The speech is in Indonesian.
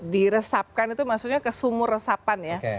diresapkan itu maksudnya kesumur resapan ya